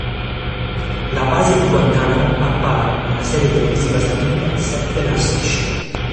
La base di Guantánamo appare nella serie televisiva statunitense "The Last Ship".